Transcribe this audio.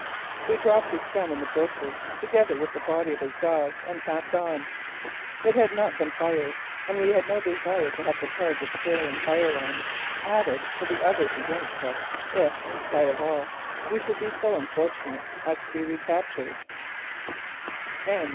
We dropped his gun in the bushes, together with the body of his dog; and passed on. It had not been fired and we had no desire to have the charge of carrying firearms added to the others against us if, in spite of all, we should be so unfortunate as to be recaptured.